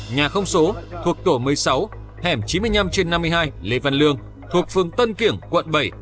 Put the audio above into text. nhà không số thuộc tổ một mươi sáu hẻm chín mươi năm trên năm mươi hai lê văn lương thuộc phường tân kiểng quận bảy